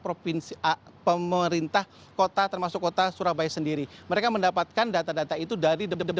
provinsi pemerintah kota termasuk kota surabaya sendiri mereka mendapatkan data data itu dari debat debat